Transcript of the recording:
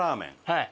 はい。